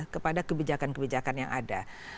kepada kebijakan kebijakan yang ada